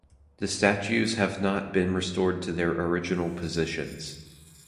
The statues have not been restored to their original positions.